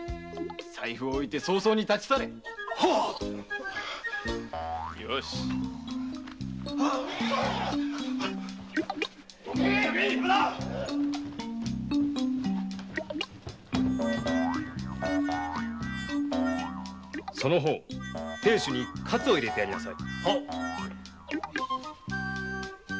財布を置いて早々に立ち去れその方亭主に活を入れてやりなさい。